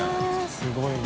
すごいな。